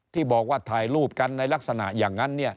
ที่บอกว่าถ่ายรูปกันในลักษณะอย่างนั้น